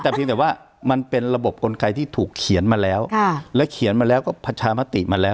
แต่เพียงแต่ว่ามันเป็นระบบกลไกที่ถูกเขียนมาแล้วแล้วเขียนมาแล้วก็ประชามติมาแล้ว